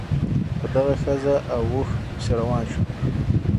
په دغه ښځه او اوښ پسې روان شو.